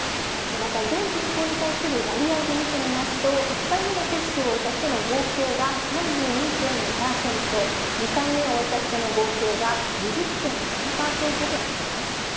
また全人口に対する割合で見てみますと、１回目の接種を終えた人の合計が３２．２％、２回目を終えた人の合計が２０．３％となっています。